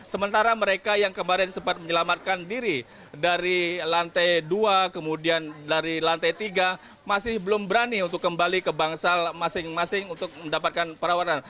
sementara mereka yang kemarin sempat menyelamatkan diri dari lantai dua kemudian dari lantai tiga masih belum berani untuk kembali ke bangsal masing masing untuk mendapatkan perawatan